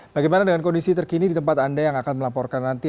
bagaimana dengan kondisi terkini di tempat anda yang akan melaporkan nanti